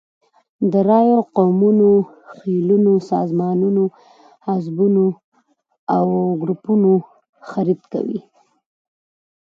د رایو، قومونو، خېلونو، سازمانونو، حزبونو او ګروپونو خرید کوي.